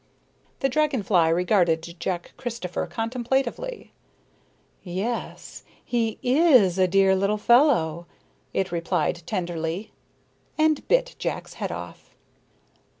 The dragon fly regarded Jack Christopher contemplatively. "Yes, he is a dear little fellow," it replied tenderly and bit Jack's head off.